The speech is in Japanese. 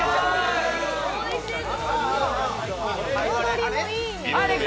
おいしそ。